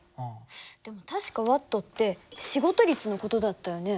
でも確かＷって仕事率の事だったよね。